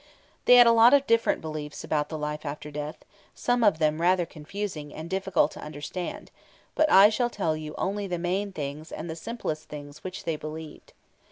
They had a lot of different beliefs about the life after death, some of them rather confusing, and difficult to understand; but I shall tell you only the main things and the simplest things which they believed.